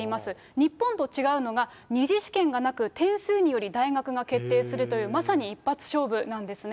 日本と違うのが２次試験がなく、点数により大学が決定するというまさに一発勝負なんですね。